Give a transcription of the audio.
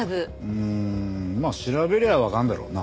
うーんまあ調べりゃわかるだろうな。